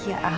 ya ampun om